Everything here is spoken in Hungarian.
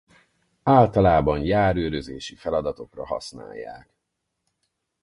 Általában járőrözési feladatokra használják.